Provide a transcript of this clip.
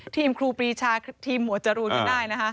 ทีมครูปรีชาทีมหัวจรูยได้นะคะ